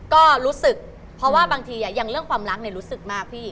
ก็รู้สึกเพราะว่าบางทีอย่างเรื่องความรักรู้สึกมากพี่